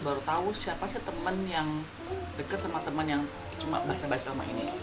baru tahu siapa sih teman yang dekat sama teman yang cuma bahasa bahasa sama ini